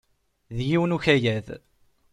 D yiwen ukayad.